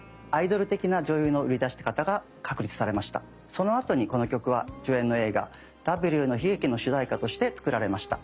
そのあとにこの曲は主演の映画「Ｗの悲劇」の主題歌として作られました。